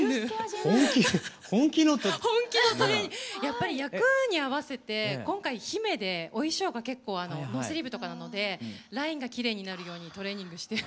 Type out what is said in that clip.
やっぱり役に合わせて今回姫でお衣装がノースリーブとかなのでラインがきれいになるようにトレーニングしてる。